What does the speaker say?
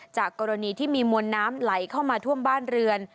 จากกรณีที่มีมวลน้ำไหลเข้ามาท่วมบ้านเรือน